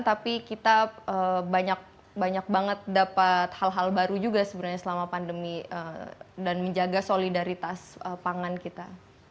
tapi kita banyak banget dapat hal hal baru juga sebenarnya selama pandemi dan menjaga solidaritas pangan kita